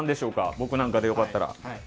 僕なんかで良かったら。